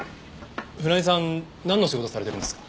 船井さんなんの仕事されてるんですか？